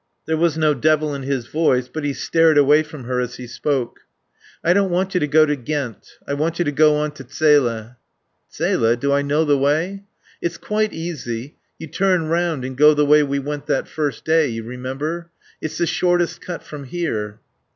There was no devil in his voice, but he stared away from her as he spoke. "I don't want you to go to Ghent. I want you to go on to Zele." "Zele? Do I know the way?" "It's quite easy. You turn round and go the way we went that first day you remember? It's the shortest cut from here."